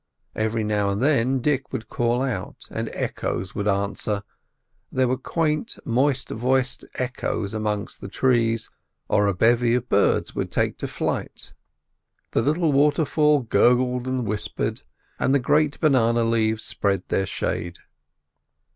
Every now and then Dick would call out, and echoes would answer—there were quaint, moist voiced echoes amidst the trees—or a bevy of birds would take flight. The little waterfall gurgled and whispered, and the great banana leaves spread their shade.